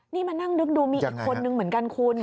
นี่มานั่งนึกดูมีอีกคนนึงเหมือนกันคุณ